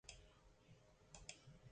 Ikusi zuen karrotxoa ere ez zegoela han.